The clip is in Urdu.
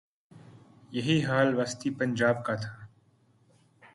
یہی حال وسطی پنجاب کا تھا۔